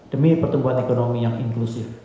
demi pertumbuhan ekonomi yang inklusif